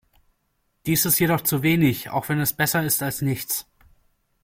Dies ist jedoch zu wenig, auch wenn es besser ist als nichts.